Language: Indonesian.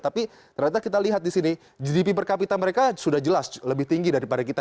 tapi ternyata kita lihat di sini gdp per kapita mereka sudah jelas lebih tinggi daripada kita